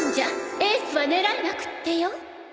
エースは狙えなくってよ。